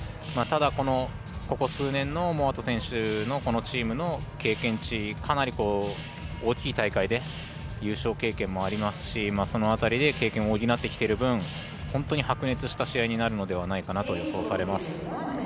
ただ、ここ数年のモアト選手のチームの経験値、かなり大きい大会で優勝経験もありますしその辺りで経験を補ってきている分本当に白熱した試合になるのではないかと予想されます。